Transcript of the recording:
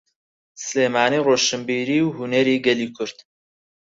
سلێمانی ڕۆشنبیری و هونەری گەلی کورد.